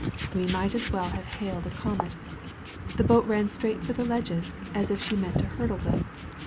We might as well have hailed a comet. That boat ran straight for the ledges as if she meant to hurdle them.